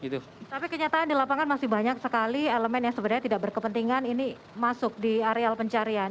tapi kenyataan di lapangan masih banyak sekali elemen yang sebenarnya tidak berkepentingan ini masuk di areal pencarian